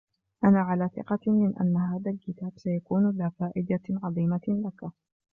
أنا على ثقة من أن هذا الكتاب سيكون ذا فائدة عظيمة لك.